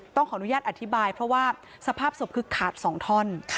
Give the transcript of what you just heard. ต้องขออนุญาตอธิบายเพราะว่าสภาพศพคือขาด๒ท่อน